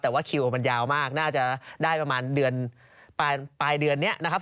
แต่ว่าคิวมันยาวมากน่าจะได้ประมาณเดือนปลายเดือนนี้นะครับ